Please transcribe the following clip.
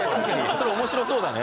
それ面白そうだね。